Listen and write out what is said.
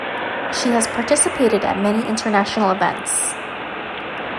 She has participated at many international events.